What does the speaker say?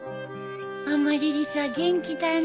アマリリスは元気だね。